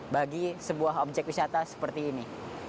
bagi sebuah objek wisata seperti ini